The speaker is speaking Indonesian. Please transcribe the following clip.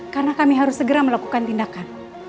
karena kami harus segera melakukan tindakan